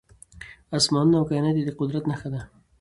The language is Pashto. اسمانونه او کائنات يې د قدرت نښه ده .